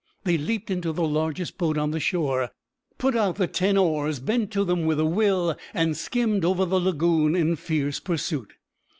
They leaped into the largest boat on the shore, put out the ten oars, bent to them with a will, and skimmed over the lagoon in fierce pursuit.